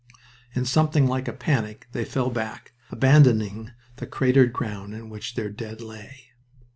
In something like a panic they fell back, abandoning the cratered ground in which their dead lay.